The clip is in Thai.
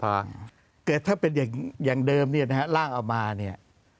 แต่ถ้าเป็นอย่างเดิมเนี่ยนะฮะล่างเอามาเนี่ย